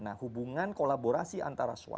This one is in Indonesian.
nah hubungan kolaborasi antara sosial media